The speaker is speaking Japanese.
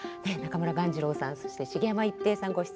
中村鴈治郎さんそして茂山逸平さん